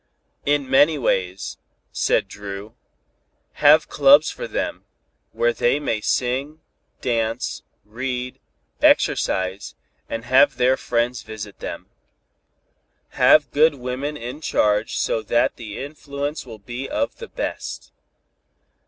"In many ways," said Dru. "Have clubs for them, where they may sing, dance, read, exercise and have their friends visit them. Have good women in charge so that the influence will be of the best.